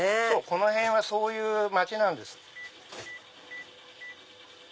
この辺はそういう町なんです。